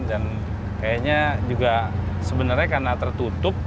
dan kayaknya juga sebenarnya karena tertutup